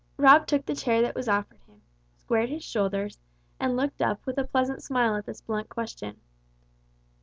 Rob took the chair that was offered him, squared his shoulders, and looked up with a pleasant smile at this blunt question.